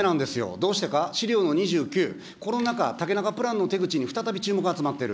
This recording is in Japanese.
どうしてか、資料の２９、コロナ禍、竹中プランの手口に再び注目集まっている。